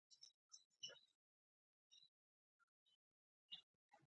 دوی د خپلو راتلونکو پیټینټونو په اړه فکر کاوه